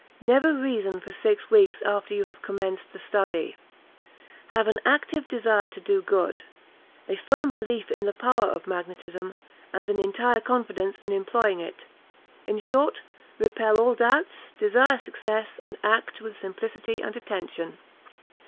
"Never reason for six weeks after you have commenced the study. "Have an active desire to do good; a firm belief in the power of magnetism, and an entire confidence in employing it. In short, repel all doubts; desire success, and act with simplicity and attention."